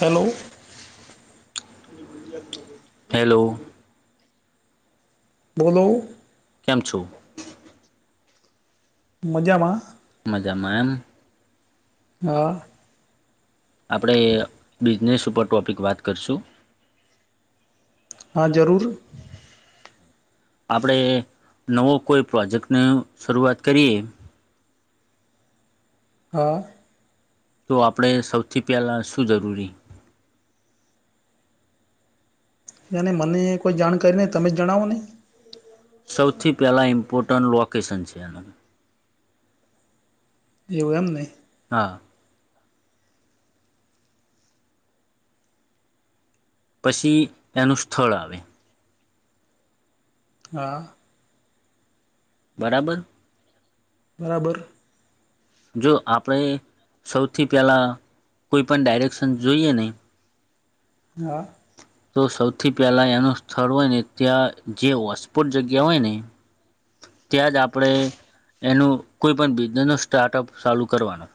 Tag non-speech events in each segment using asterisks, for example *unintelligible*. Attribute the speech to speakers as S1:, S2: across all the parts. S1: Hello
S2: hello
S1: બોલો
S2: કેમ છો
S1: મજામાં
S2: મજામાં એમ
S1: હા
S2: આપણે બિઝનેસ ઉપર ટોપિક વાત કરીશું
S1: હા જરૂર
S2: આપણે નવો કોઈ પ્રોજેક્ટની શરૂઆત કરીએ
S1: હા
S2: તો આપણે સૌથી પહેલાં શું જરૂરી
S1: અને મને કોઈ જાણકારી નહીં તમે જણાવો ને
S2: સૌથી પહેલાં ઈમ્પોર્ટન્ટ લોકેશન છે એનું
S1: એવું એમ ને
S2: હા પછી એનું સ્થળ આવે
S1: હા
S2: બરાબર
S1: બરાબર
S2: જો આપણે સૌથી પહેલાં કોઈ પણ ડાયરેક્શન જોઈએ ને
S1: હા
S2: તો સૌથી પહેલા એનું સ્થળ હોય ને ત્યાં જે વસપોટ જગ્યા હોય ને ત્યાંજ આપણે એનું કોઈપણ બિઝનેસનો સ્ટાર્ટઅપ ચાલુ કરવાનો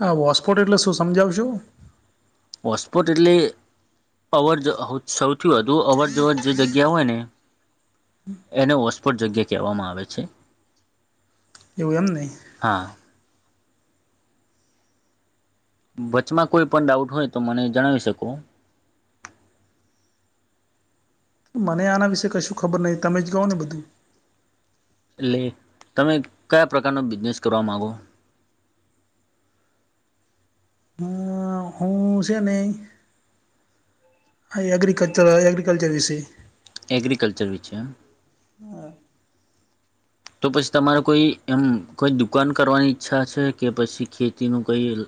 S1: હા વોસ્પોટ એટલે શું સમજાવશો
S2: ઓસ્પટ એટલે અવર જવ સૌથી વધુ અવર જવર જે જગ્યા હોય ને એને વોસપોટ જગ્યા કહેવામાં આવે છે
S1: એવું એમને
S2: હા વચમાં કોઈ પણ ડાઉટ હોય તો મને જણાવી શકો
S1: મને આના વિશે કશું ખબર નહીં તમે જ કહો ને બધું
S2: એટલે તમે કયા પ્રકારનો બિઝનેસ કરવા માગો
S1: અ, હું છેને એગ્રીકલ્ચર એગ્રીકલ્ચર વિશે
S2: એગ્રીકલ્ચર વિશે તો પછી તમારે કોઈ એમ કોઈ દુકાન કરવાની ઈચ્છા છે કે પછી ખેતીનું કઈ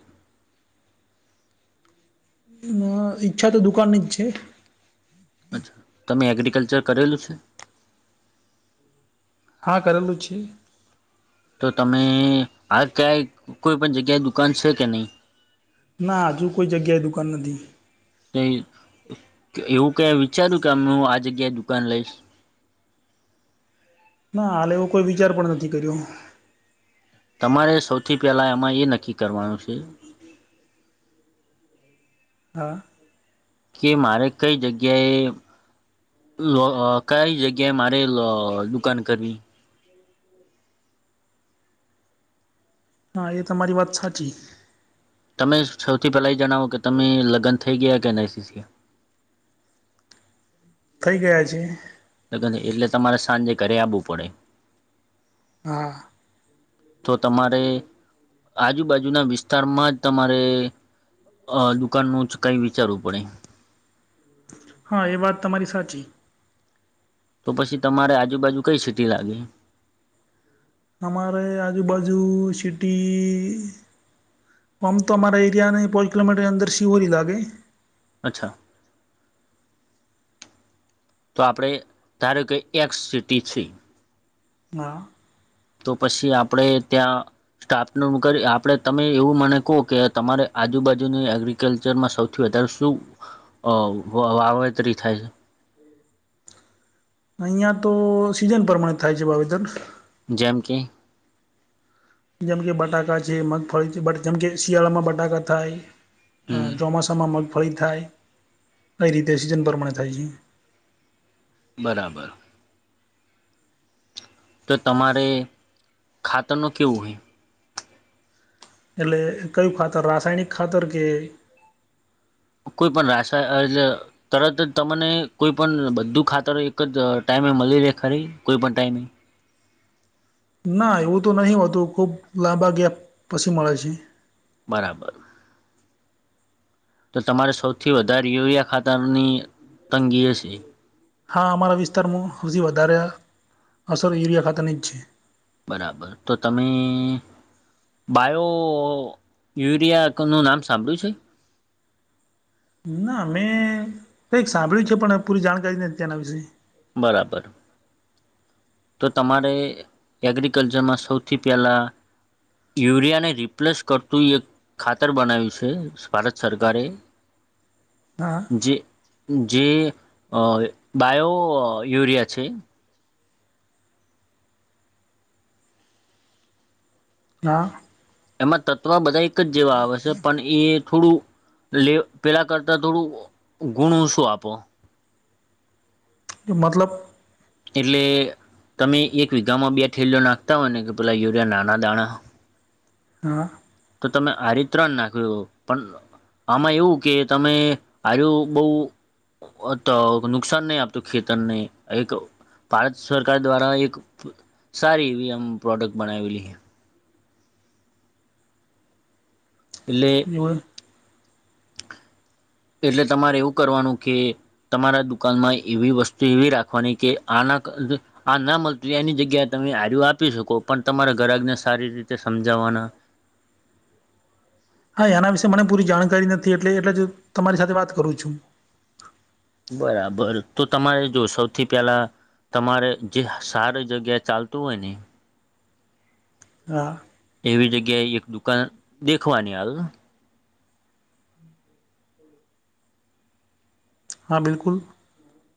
S1: હ ઈચ્છા તો દુકાનની જ છે
S2: અચ્છા તમે એગ્રિકલ્ચર કરેલું છે
S1: હા કરેલું છે
S2: તો તમે આ ક્યાંય કોઈ પણ જગ્યાએ દુકાન છે કે નહીં
S1: ના, હજુ કોઈ જગ્યાએ દુકાન નથી.
S2: કઇ એવું કયાં વિચાર્યું કે, અ હું આ જગ્યાએ દુકાન લઈશ?
S1: ના, હાલે એવો કોઈ વિચાર પણ નથી કર્યો.
S2: તમારે સૌથી પહેલાં એમાં એ નક્કી કરવાનું છે.
S1: હા.
S2: કે મારે કઈ જગ્યાએ કઈ જગ્યાએ મારે દુકાન કરવી.
S1: હા, એ તમારી વાત સાચી.
S2: તમે સૌથી પહેલાં એ જણાવો કે, તમે લગ્ન થઈ ગયા કે ન સીસીએ?
S1: થઈ ગયા છે.
S2: લગ એટલે તમારે સાંજે ઘરે આવવું પડે.
S1: હા.
S2: તો તમારે. આજુબાજુના વિસ્તારમાં જ તમારે. અ દુકાન નું જ કઈ વિચારવું પડે.
S1: હા, એ વાત તમારી સાચી‌.
S2: તો પછી તમારે આજુબાજુ કઈ સીટી લાગે?
S1: તમારે આજુબાજુ સીટી. આમ તો અમારા એરિયાને કિલોમીટરની અંદર શિહોરી લાગે.
S2: અચ્છા. તો આપણે ધાર્યું કે એક સિટી છે.
S1: ના.
S2: તો પછી આપણેે ત્યાં. સ્ટાફ ને કરી, આપણે તમે એવું મને કહો કે તમારે આજુબાજુની એગ્રી. કલ્ચરમાં સૌથી વધારે શું વાવેતરી થાય છે?
S1: અહિયાં તો સીઝન પ્રમાણે થાય છે વાવેતર.
S2: જેમ કે?
S1: જેમકે બટાકા છે, મગફળી જેમ કે, શિયાળામાં બટાકા થાય. હા,
S2: હમ
S1: ચોમાસામાં મગફળી થાય, કઈ રીતે સિઝન પ્રમાણે થાય છે?
S2: બરાબર. તો તમારે ખાતરનું કેવું હોય?
S1: એટલે કયું ખાતર, રાસાયણિક ખાતર કે?
S2: કોઈ પણ રાસ એટલે તરત જ તમને કોઈ પણ બધું ખાતર એક જ ટાઈમે મળી રહેે ખરી, કોઈપણ ટાઈમે?
S1: ના, એવું તો નહીં હોતું, ખૂબ લાંબા ગાળે પછી મળે છે.
S2: બરાબર. તો તમારે સૌથી વધારે યુરિયા ખાતારની તંગી હશે.
S1: હા, અમારા વિસ્તારમાં હજી વધારે અસરો યુરિયા ખાતાની જ છે.
S2: બરાબર, તો તમે બાયો યુરિયાનું નામ સાંભળ્યું છે?
S1: ના, મેં કંઈક સાંભળ્યું છે, પણ પૂરી જાણકારી નથી ત્યાના વિશે.
S2: બરાબર. તો તમારે એગ્રિકલ્ચરમાં સૌથી પહેલાં. યુરિયાને રિપ્લેસ કરતું એક ખાતર બનાવ્યું છે, ભારત સરકારે.
S1: હા.
S2: જે જે બાયો યુરિયા છે.
S1: હા.
S2: એમાં તત્વ બધા એક જ જેવા આવે છે, પણ એ થોડું લે પેલા કરતા થોડું ગુણ ઓછું આપો.
S1: કે મતલબ.
S2: એટલે તમે એક વીઘામાં બે ઠેલો નાખતા હોય ને કે પેલાં યુરિયા નાના દાણા
S1: હા
S2: તો તમે આ રી ત્રણ નાખ્યું પણ આમાં એવું કે તમે આજુ બઉ તો નુકસાન નહી આપતું ખેતરને એક ભારત સરકાર દ્વારા એક સારી એવી આમ પ્રોડક્ટ બનાવેલી એટળે
S1: એ *inaudible* *inaudible*
S2: એટલે તમારે એવું કરવાનું કે તમારા દુકાનમાં એવી વસ્તુ એવી રાખવાની કે આના હ ના મળતું એની જગ્યાએ તમે આર આપી શકો પણ તમારા ઘરજને સારી રીતે સમજાવવાના.
S1: હા એના વિશે મને પૂરી જાણકારી નથી એટલે એટલે જ તમારી સાથે વાત કરું છું.
S2: બરાબર તો તમારે જો સૌથી પેલા તમારે જે સારી જગ્યાએ ચાલતું હોય ને
S1: હા
S2: એવી જગ્યાએ એક દુકાન દેખવાની આવે.
S1: હા બિલકુલ.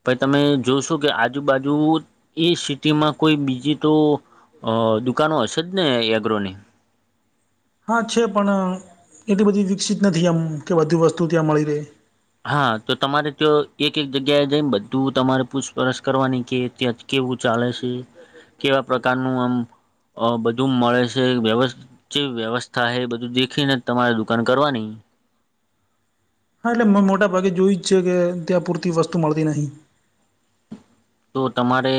S2: પછ તમે જોશો કે આજુબાજુ એ સિટીમાં કોઈ બીજી તો અ દુકાનો હશે જ ને એગ્રોની.
S1: હા છે પણ એટલી બધી વિકસિત નથી એમ કે વધધુ વસ્તુ ત્યાં મળી રહે.
S2: હા તો તમારે તો એક એક જગ્યાએ જાયને બધું તમારે પૂછપરછ કરવાની કે ત્યાં જ કેવું ચાલે છે કેવા પ્રકારનું આમ બધું મળે છે વ્યવસ્ જે વ્યવસ્થા હ એ બધું દેખીને તમારે દુકાન કરવાની.
S1: હા એટલે મોટા ભાગે જોય જ છે કે ત્યાં પૂરતી વસ્તુ મળતી નહીં.
S2: તો તમારે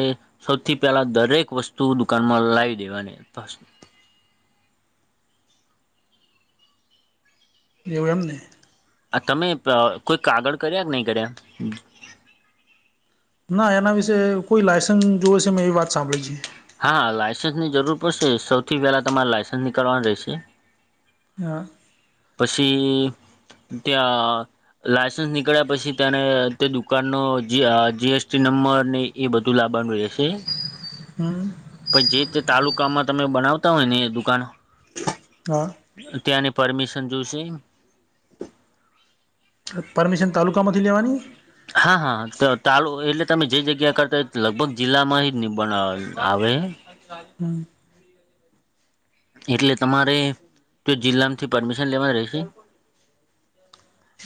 S2: સૌથી પેલા દરેક વસ્તુ દુકાનમાં લાવી દેવાની.
S1: એવુ એમને
S2: આ તમે કોઈ કાગળ કર્યા કે નહી કર્યા.
S1: ના એના વિશે કોઈ લાયસન્ જોવેશે મેં એવી વાત સાંભળી છેીએ.
S2: હા લાયઇસન્સ ની જરૂર પડશે સૌથી પહેલા તમારે લાયસન્સ નીકળવાનું રહેશે.
S1: હા
S2: પછી ત્યાં લાયસન્સ નીકળ્યા પછી તેને તે દુકાનનો જીએસટી નંબર ની એ બધું લાબા નું રહેશે.
S1: હમ
S2: પછ જે તે તાલુકામાં તમે બનાવતા હોય ને એ દુકાન
S1: હા
S2: ત્યાંની પરમિશન જોશે.
S1: પરમિશન તાલુકામાંથી લેવાની.
S2: હા હા તો ચાલું એટલે તમે જે જગ્યા કરતા લગભગ જિલ્લામાં જ નિબ આવે
S1: હમ
S2: એટલે તમારે તો જિલ્લામાંથી પરમિશન લેવાની રહેશે.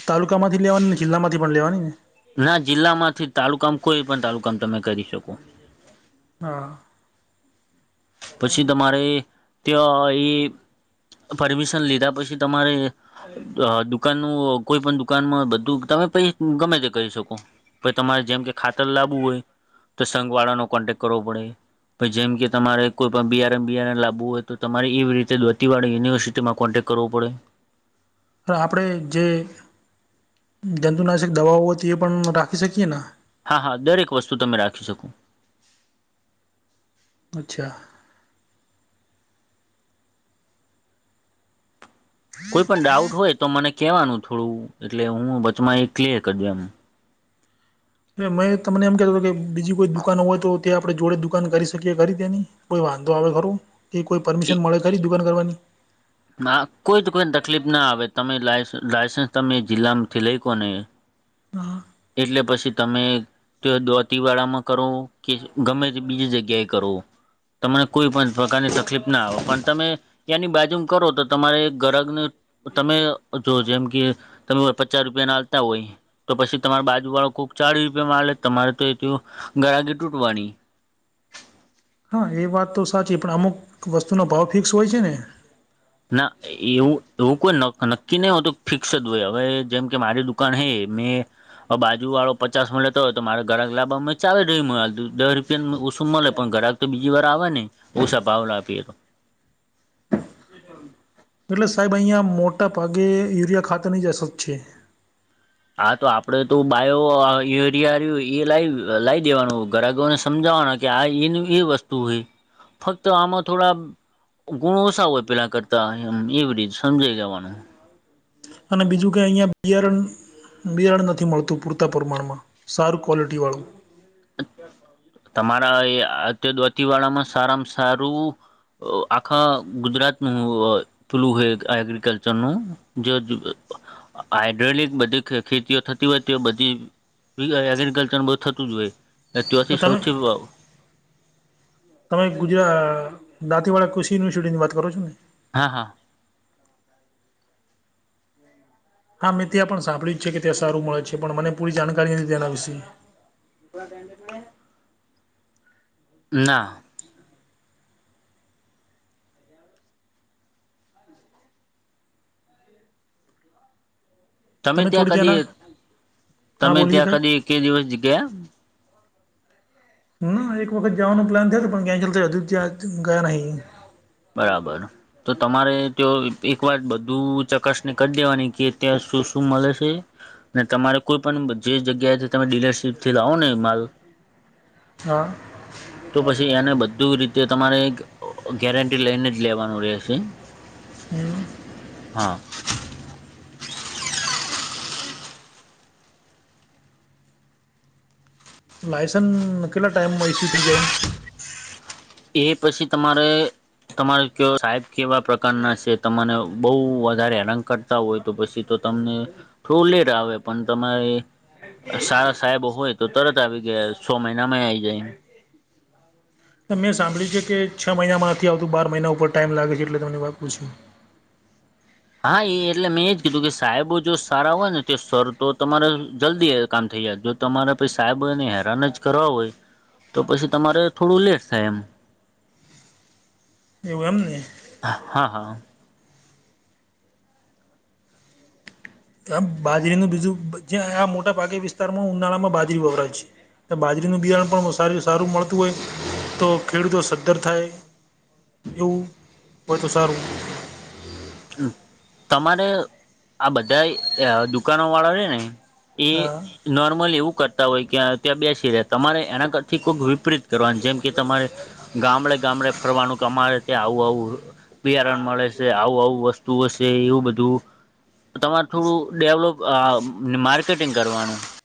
S1: તાલુકા માંથી લેવાની ને જિલ્લા માંથી પણ લેવાનીને
S2: ના જિલ્લા માંથી તાલુકામ કોઈ પણ તાલુકામ તમે કરી શકો.
S1: હા
S2: પછી તમારે ત્યાં એ પરમિશન લીધા પછી તમારે દુકાન ન કોઈ પણ દુકાનમાં બધું તમે પૈ ગમે તે કરી શકો પ તમારે જેમ કે ખાતર લબવું હોય તો સંઘ વાળાનો કોન્ટેક્ટ કરવો પડે જેમ કે તમારે કોઈ પણ બીઆર એમ બીઆરને લાવવું હોય તો તમારે એવી રીતે દોતીવાળા યુનિવર્સિટીમાં કોન્ટેક્ટ કરવો પડે.
S1: આપણે જે જંતુનાશક દવાઓ હતી એ પણ રાખી શકીએ.
S2: હા હા દરેક વસ્તુ તમે રાખી શકો.
S1: અચ્છા
S2: કોઈ પણ ડાઉટ હોય તો મને કહેવાનું થોડું એટલે હું બચમાં એ ક્લિયર કરી દઉ એમ
S1: મેં તમને એમ કતો હતો કે બીજી કોઈ દુકાન હોય, તો તે આપણેે જોડે દુકાન કરી શકીએ ખરી તેની કોઈ વાંધો આવે ખર કે કોઈ પરમિશન મળે ખરી દુકાન કરવાની
S2: કોઈ જ કોઈને, તકલીફના આવે તમે લાયસન્સ તમે જિલ્લામાંથી લઈ, કો ને
S1: હા
S2: એટલે પછી, તમે તો દોતીવાળામાં કરો કે ગમે તે બીજી જગ્યાએ કરો તમને કોઈ પણ પ્રકારની તકલીફ ના આવે, પણ તમે ત્યાંની બાજુ કરો તો તમારે ગ્રાહકને તમે જો જેમ કે તમે પચાસ રૂપિયા આલતા હોય, તો પછી તમારા બાજુ વાળો કોઈક ચાળી રૂપિયામા આલે તમારે તો એથી ગ્રાહકી તૂટવાની
S1: હા, એ વાત તો સાચી પણ અમુક વસ્તુનો ભાવ ફિક્સ હોય છેને.
S2: ના એવું કોઈ નક્કી નહી, હો તો ફિક્સ જ હોય હવે જેમ કે મારી દુકાન હૈ મે હવે, બાજુ વાળો પચાસમાં લેતો હોય તો મારે ગ્રાહક લાભામાં ચાવે મળલું દસ રૂપિયા ઉછુ, મળે પણ ગ્રાહક તો બીજી વાર આવે ન ઓછા ભવીએ આપીએ હતો. *unintelligible*
S1: એટલે સાહેબ અહીંયા મોટા ભાગે યુરિયા ખાતારની જ અછત છે.
S2: હા, તો આપણે તો બાયો યુરિયા એ લાવ દેવાનું ગ્રાહકોને સમજાવવાનુ કે આ એનું એ વસ્તુ હોય, ફક્ત આમાં થોડા ગુણો ઓછા હોય પેલા કરતા એવી રીતે સમજાઈ દેવાનુ
S1: અને બીજું કે અહીંયા બિયારણ બિરાણ નથી મળતું પૂરતાં પ્રમાણમાં સારુ ક્વૉલિટીવાળુ *inaudible*
S2: તમારા દોતી વાળામાં સારામાં સારુ આખા ગુજરાતનુ હુ *unintelligible* હોય એગ્રીકલચરનું જે હાડ્રોલિક બધી ખેતીઓ થતી હોય, તે બધી એગ્રીિકલ્ચર બહુ થતુજ હોય. ત્યાંથી સૌથી હા
S1: તમે ગુજરાત દાતીવા કશિ ઇનિટીની વાત કરો ને
S2: હા, હા
S1: હા, મેં ત્યાં પણ સાંભળ્યું જ છે, કે ત્યાં સારુ મળે છે. પણ મને પૂરી જાણકારી નથી તેેના વિશે
S2: *unintelligible* ના *inaudible* તમે ત્યાં
S1: થોડી
S2: કદી
S1: ત્યાંના હા
S2: તમે
S1: બોલીએ
S2: ત્યાં
S1: સાહેબ
S2: કદી કે દિવસ ગયા.
S1: *inaudible* ના, એક વખત જવાનો પ્લાન થયોતો પણ કેન્સલ થયો તો ત્યા ગયા નહી
S2: બરાબર તો, તમારે તો એક વાર બધું ચકાસને કરી દેવાની કે ત્યાં શુ શુ મળે છે. ને તમારે કોઈ પણ જે જગ્યાથી તમે ડીલરશીપથી લાવો ને માલ
S1: હા.
S2: તો, પછી એને બધું રીતે તમારે ગેરેંટી લઈને જ લેવાનું રહેશે.
S1: એવુ
S2: હા.
S1: લાયસન્સ કેટલા ટાઈમમાં ઇશ્યુ થઈ જાય.
S2: એ પછી તમારે તમારે સાહેબ કેવા પ્રકારના છે, તમાને બો વધારે હેરકટ હોય તો પછી તો તમને થોડું લેટ આવે પણ તમારે સારા સાહેબ હોય તો તરત આવી ગયા છો, મહિનામાં આવી જાય એમ.
S1: મેં સાંભળ્યું છે કે છ મહિનામાં નથી આવતું, બાર મહિના ઉપર ટાઈમ લાગે છે એટલે તમને વાત પૂછ્યું.
S2: હા, એ એટલે મેં એજ કીધું કે સાહેબો જો સારા હોય ને તો સર તો તમારે જલ્દી કામ થઈ જય. તમારે પછી સાહેબને હેરાન જ કરવા હોય તો પછી તમારે થોડું લેટ થાય એમ.
S1: એવું એમને.
S2: હા હા.
S1: બાજરીનું બીજું જે આ મોટા ભાગે વિસ્તારમાં ઉનાળામાં બાજરી વવરાય છે. બાજરીનું બિરાણ પણ સ સારું મળતું હોય તો ખેડૂતો સદ્ધર થાય. એવું હોય તો સારું.
S2: તમારે આ બધા દુકાનોવાળા છે ને. એ.
S1: હા
S2: નોર્મલી એવું કરતા હોય કે ત્યાં બેસી રહે્યા તમારે એના કરથી કોઈક વિપરીત કરવાનું જેમ કે તમારે. ગામડે ગામડે ફરવાનું કમારે ત્યાં આવું આવું બિયારણ મળે છે આવું આવું વસ્તુ હશે એવું બધું તમારે થોડું ડેવલોપ માર્કેટિંગ કરવાનું.